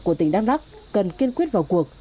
của tỉnh đắk đắk cần kiên quyết vào cuộc